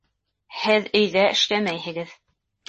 Һеҙ өйҙә эшләмәйһегеҙ